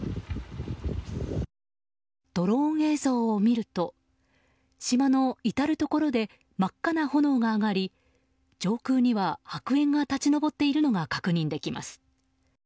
ドローン映像を見ると島の至るところで真っ赤な炎が上がり、上空には白煙が立ち上っているのが確認できます。